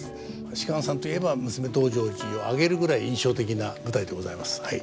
芝さんといえば「娘道成寺」を挙げるぐらい印象的な舞台でございますはい。